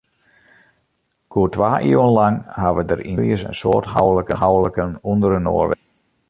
Goed twa iuwen lang hawwe der yn dy famyljes in soad houliken ûnderinoar west.